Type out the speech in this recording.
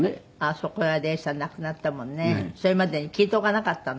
それまでに聞いておかなかったの？